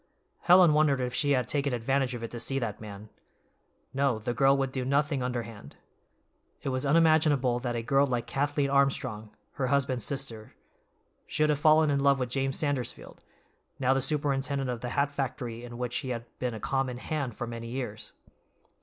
Helen wondered if she had taken advantage of it to see that man. No, the girl would do nothing underhand. It was unimaginable that a girl like Kathleen Armstrong, her husband's sister, should have fallen in love with James Sandersfield, now the superintendent of the hat factory in which he had been a common "hand" for many years.